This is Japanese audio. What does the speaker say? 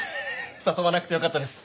誘わなくてよかったです。